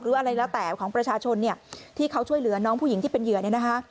หรือว่าอะไรแล้วแต่ของประชาชนที่เขาช่วยเหลือน้องผู้หญิงที่เป็นเหยื่อน